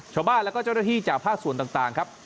ชาวบ้านแล้วก็เจ้าหน้าที่จากภาคส่วนต่างครับ